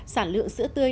sản lượng sữa tươi